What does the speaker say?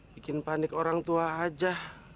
bikin panik orang tua aja